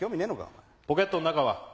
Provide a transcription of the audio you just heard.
ポケットの中は？